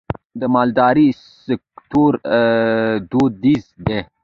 د مالدارۍ سکتور دودیز دی